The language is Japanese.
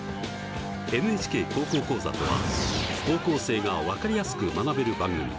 「ＮＨＫ高校講座」とは高校生が分かりやすく学べる番組。